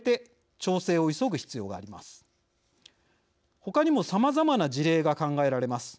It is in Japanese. ほかにもさまざまな事例が考えられます。